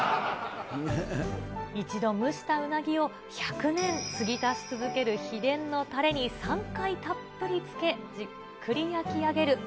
一度蒸したうなぎを１００年継ぎ足し続ける秘伝のたれに３回たっぷりつけ、じっくり焼き上げる。